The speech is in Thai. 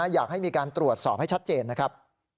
อยากให้มีการตรวจสอบให้ชัดเจนนะครับ